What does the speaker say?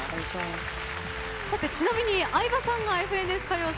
ちなみに相葉さんが「ＦＮＳ歌謡祭」